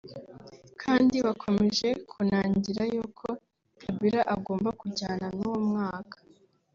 kandi bakomeje kunangira yuko Kabila agomba kujyana n’uwo mwaka